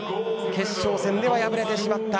決勝戦では敗れてしまった。